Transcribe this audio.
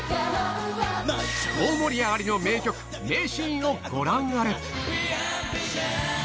大盛り上がりの名曲、名シーンをご覧あれ。